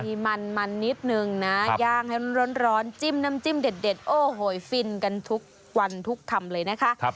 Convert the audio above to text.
มีมันนิดนึงนะย่างให้ร้อนจิ้มน้ำจิ้มเด็ดโอ้โหฟินกันทุกวันทุกคำเลยนะคะ